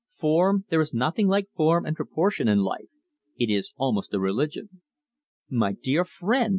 Form there is nothing like form and proportion in life. It is almost a religion." "My dear friend!"